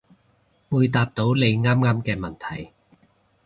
會答到你啱啱嘅問題